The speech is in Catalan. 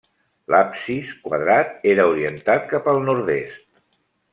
L'absis, quadrat, era orientat cap al nord-est.